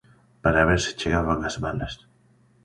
...para ver se chegaban as balas.